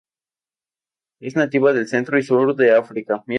Es nativa del centro y sur de África.